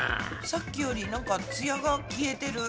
さっきよりなんかツヤが消えてる。